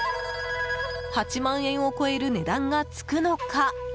８万円を超える値段がつくのか？